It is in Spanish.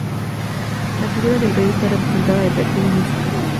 La figura del rey está representada de perfil en este caso.